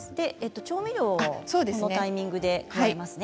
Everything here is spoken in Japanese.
調味料のタイミングで加えますね。